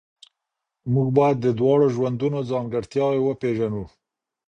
موږ باید د دواړو ژوندونو ځانګړتیاوې وپېژنو.